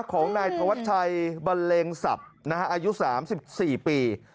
ของนายธวัชชัยบันเลงศัพท์อายุ๓๔ปี